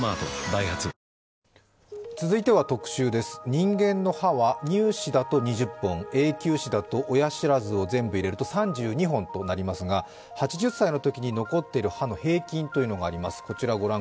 人間の歯は乳歯だと２０本、永久歯だと親知らずを全部入れると３２本となりますが、８０歳のときに残っている歯の平均というのがあります。